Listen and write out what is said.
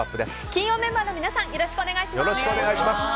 金曜メンバーの皆さんよろしくお願いします。